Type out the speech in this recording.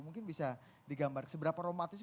mungkin bisa digambar seberapa romantis